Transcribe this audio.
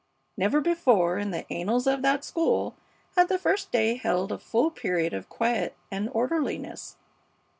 Never before in the annals of that school had the first day held a full period of quiet or orderliness.